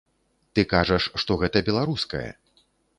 Ты кажаш, што гэта беларускае.